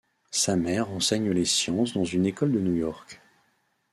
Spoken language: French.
Sa mère enseigne les sciences dans une école de New York.